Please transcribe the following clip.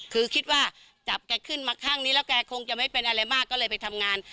คือคิดว่าจับแกขึ้นมาข้างนี้แล้วแกคงจะไม่เป็นอะไรมากก็เลยไปทำงาน